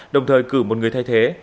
đồng thời cử một người thay thế